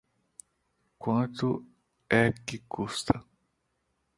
Quanto é que custa?